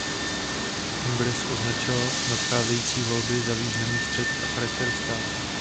Kongres označil nadcházející volby za významný střet o charakter státu.